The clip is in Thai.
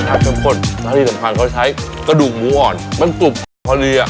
อ่าคุณพันเขาใช้กระดูกหมูอ่อนมันกรุบพอลีอ่ะ